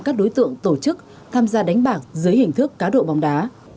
các đối tượng tổ chức tham gia đánh bạc dưới hình thức cá độ bóng đá